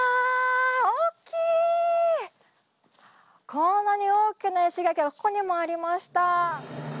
こんなに大きな石垣がここにもありました。